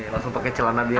langsung pakai celana biasa ya